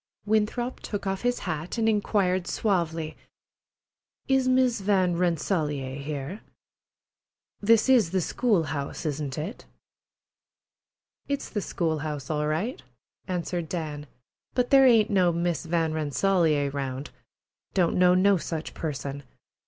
Winthrop took off his hat and inquired suavely: "Is Miss Van Rensselaer here? This is the school house, isn't it?" "It's the school house all right," answered Dan, "but there ain't no Miss Van Rensselaer round. Don't know no such person.